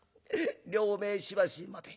両名しばし待て。